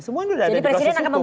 semua udah ada di proses hukum